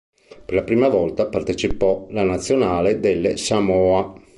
Per la prima volta partecipò la nazionale delle Samoa.